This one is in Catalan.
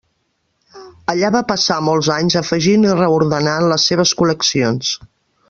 Allà va passar molts anys afegint i reordenant les seves col·leccions.